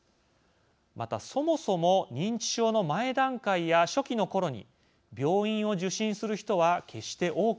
またそもそも認知症の前段階や初期のころに病院を受診する人は決して多くありません。